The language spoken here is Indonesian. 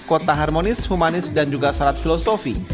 kota harmonis humanis dan juga syarat filosofi